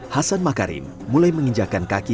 hasan makarim mulai menginjakan kaki